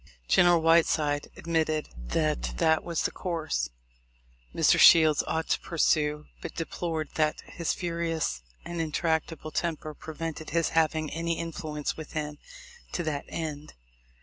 General Whiteside admitted that that was the course Mr. Shields ought to pursue, but deplored that his furious and intractable temper prevented his having any influence with him to that end.